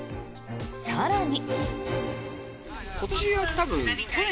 更に。